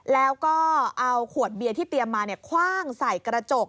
แล้วก็เอาขวดเบียที่เตรียมมาเนี่ยคว้างสายกระจก